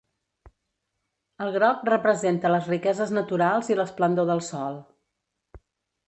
El groc representa les riqueses naturals i l'esplendor del sol.